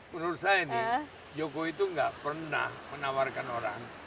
menurut saya nih jokowi itu nggak pernah menawarkan orang